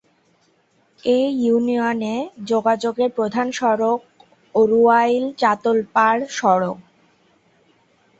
এ ইউনিয়নে যোগাযোগের প্রধান সড়ক অরুয়াইল-চাতলপাড় সড়ক।